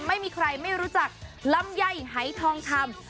ไม่มีใครไม่รู้จักลำไยหายทองคำ